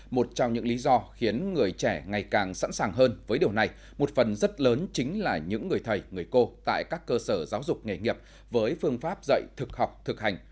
một trong những lý do khiến người trẻ ngày càng sẵn sàng hơn với điều này một phần rất lớn chính là những người thầy người cô tại các cơ sở giáo dục nghề nghiệp với phương pháp dạy thực học thực hành